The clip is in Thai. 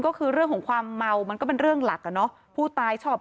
ก็คือเรื่องของความเมามันก็เป็นเรื่องหลักอ่ะเนอะผู้ตายชอบ